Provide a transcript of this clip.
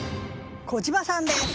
小島さんです。